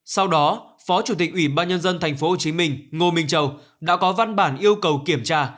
sau đó phó chủ tịch ủy ban nhân dân tp hcm ngô minh châu đã có văn bản yêu cầu kiểm tra